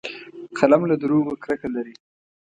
قلم له دروغو کرکه لري